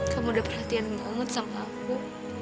kamu udah perhatian banget sama aku